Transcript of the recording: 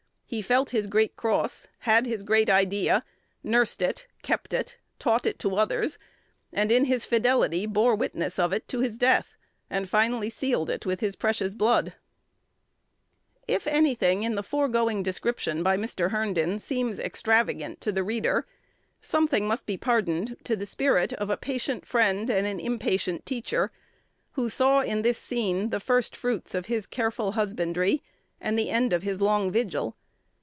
He felt his great cross, had his great idea, nursed it, kept it, taught it to others, and in his fidelity bore witness of it to his death, and finally sealed it with his precious blood." [Illustration: William Herndon 418] If any thing in the foregoing description by Mr. Herndon seems extravagant to the reader, something must be pardoned to the spirit of a patient friend and an impatient teacher, who saw in this scene the first fruits of his careful husbandry, and the end of his long vigil.